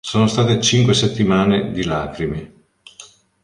Sono state cinque settimane di lacrime.